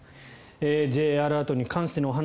Ｊアラートに関してのお話